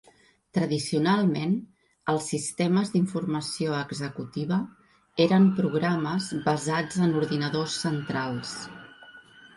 Tradicionalment, els sistemes d'informació executiva eren programes basats en ordinadors centrals.